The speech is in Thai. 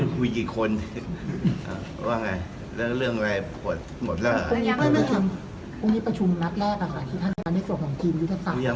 คุยกี่คนหรอว่าไงอะไรพวงจ๋า